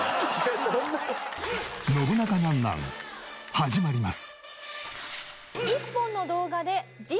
始まります。